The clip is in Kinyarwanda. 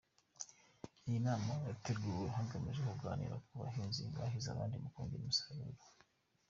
Iyi nama yateguwe hagamijwe kuganira n’abahinzi bahize abandi mu kongera umusaruro .